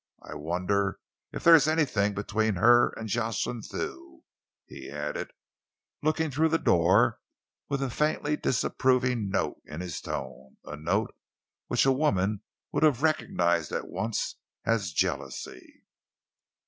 I wonder if there is anything between her and Jocelyn Thew," he added, looking through the door with a faintly disapproving note in his tone, a note which a woman would have recognised at once as jealousy.